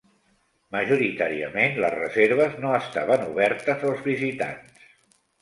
Majoritàriament les reserves no estaven obertes als visitants.